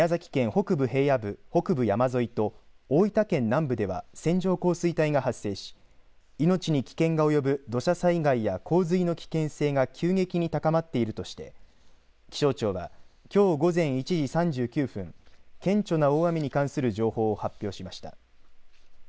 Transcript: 北部平野部、北部山沿いと大分県南部では線状降水帯が発生し命に危険が及ぶ土砂災害や洪水の危険性が急激に高まっているとして気象庁は、きょう午前１時３９分顕著な大雨に関する情報を発表しました。